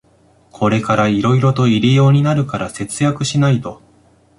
これからいろいろと入用になるから節約しないと